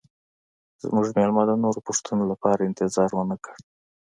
زموږ میلمه د نورو پوښتنو لپاره انتظار ونه کړ